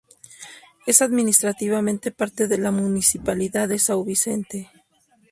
Es administrativamente parte de la municipalidad de São Vicente.